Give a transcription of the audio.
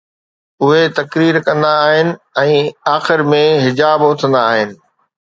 اهي تقرير ڪندا آهن ۽ آخر ۾ حجاب اٿندا آهن